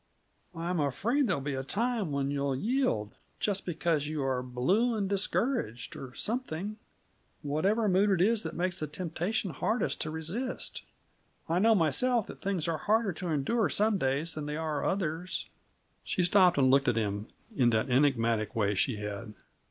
"I'm afraid there'll be a time when you'll yield, just because you are blue and discouraged or something; whatever mood it is that makes the temptation hardest to resist. I know myself that things are harder to endure some days than they are others." She stopped and looked at him in that enigmatical way she had.